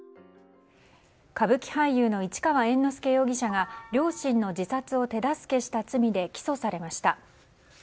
歌舞伎俳優の市川猿之助容疑者が両親の自殺を手助けした罪で起訴されました。